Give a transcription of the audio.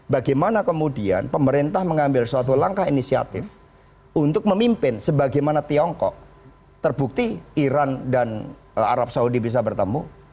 bagaimana kemudian pemerintah mengambil suatu langkah inisiatif untuk memimpin sebagaimana tiongkok terbukti iran dan arab saudi bisa bertemu